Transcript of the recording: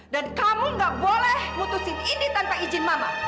dan kamu gak boleh mutusin indi tanpa izin mama